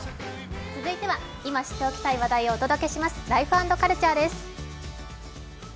続いては今知っておきたい話題をお届けします、「ライフ＆カルチャー」です。